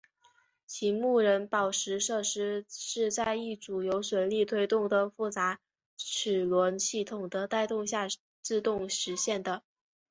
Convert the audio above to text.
其木人宝石设施是在一组由水力推动的复杂的齿轮系统的带动下自动实现的。